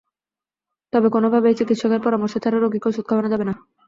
তবে কোনো ভাবেই চিকিত্সকের পরামর্শ ছাড়া রোগীকে ওষুধ খাওয়ানো যাবে না।